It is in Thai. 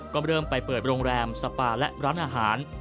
ก็เริ่มไปเปิดโรงแรมสปาและร้านอาหาร